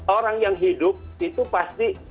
orang yang hidup itu pasti